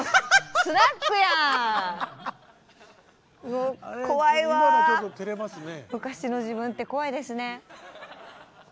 もう怖いわ昔の自分って怖いですね。